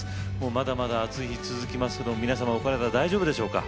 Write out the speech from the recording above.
まだまだ暑い日続きますけど皆様お体大丈夫でしょうか。